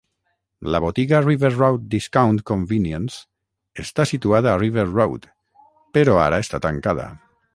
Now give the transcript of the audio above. La botiga River Road Discount Convenience està situada a River Road però ara està tancada.